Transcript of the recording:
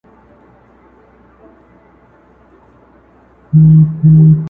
کور ساړه او دروند دی او ژوند پکي بند,